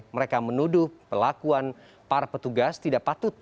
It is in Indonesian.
mereka menuduh pelakuan para petugas tidak patut